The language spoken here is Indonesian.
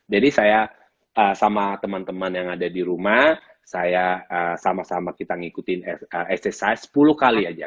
jadi saya sama teman teman yang ada di rumah saya sama sama kita ngikutin exercise sepuluh kali aja